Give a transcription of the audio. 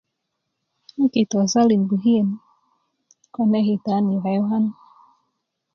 'n kita ko salin bukien kon ke kita 'n nu yuke yukan